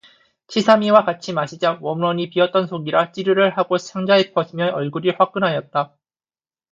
치삼이와 같이 마시자 원원이 비었던 속이라 찌르를 하고 창자에 퍼지며 얼굴이 화끈하였다.